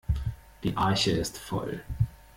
Die Arche ist voll.